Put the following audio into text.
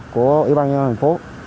của ủy ban nhân thành phố